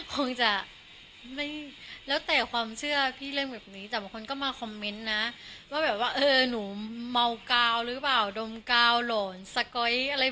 คงจะไม่แล้วแต่ความเชื่อพี่เล่นแบบนี้แต่บางคนก็มาคอมเมนต์นะว่าแบบว่าเออหนูเมากาวหรือเปล่าดมกาวหล่อนสก๊อยอะไร